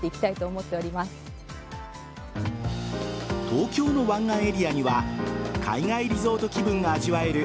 東京の湾岸エリアには海外リゾート気分が味わえる